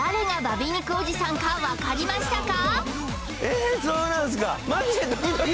美肉おじさんか分かりましたか？